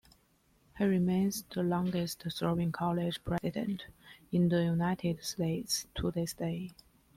He remains the longest serving college president in the United States to this day.